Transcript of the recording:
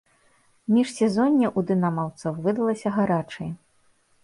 Міжсезонне ў дынамаўцаў выдалася гарачае.